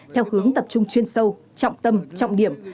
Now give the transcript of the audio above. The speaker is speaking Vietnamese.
theo hướng tập trung chuyên sâu trọng tâm trọng điểm